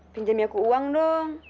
pinjamin aku uang dong